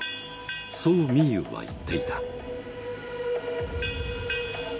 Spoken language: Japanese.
そう、みゆうは言っていた。